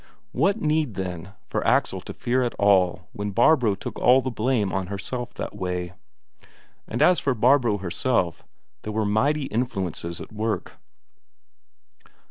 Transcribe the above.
What need, then, for Axel to fear at all when Barbro took all the blame on herself that way? And as for Barbro herself, there were mighty influences at work.